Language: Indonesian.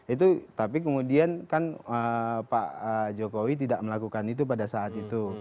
itu tapi kemudian kan pak jokowi tidak melakukan itu pada saat itu